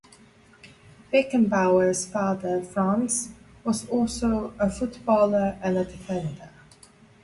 Beckenbauer's father, Franz, was also a footballer and a defender.